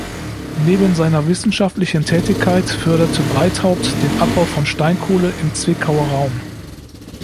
Neben seiner wissenschaftlichen Tätigkeit förderte Breithaupt den Abbau von Steinkohle im Zwickauer Raum.